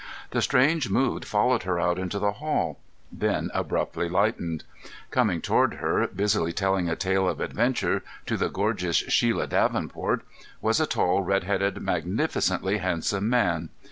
The strange mood followed her out into the hall, then abruptly lightened. Coming toward her, busily telling a tale of adventure to the gorgeous Shelia Davenport, was a tall, red headed, magnificently handsome man.